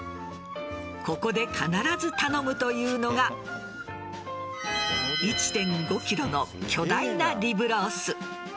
ここで必ず頼むというのが１．５ｋｇの巨大なリブロース。